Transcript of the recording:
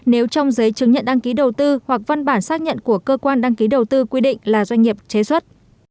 nếu trong giấy chứng nhận đăng ký đầu tư hoặc văn bản xác nhận của cơ quan đăng ký đầu tư quy định là doanh nghiệp chế xuất